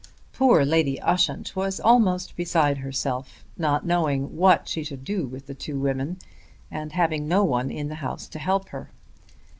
Poor Lady Ushant was almost beside herself, not knowing what she would do with the two women, and having no one in the house to help her.